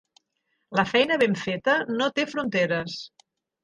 La feina ben feta no té fronteres.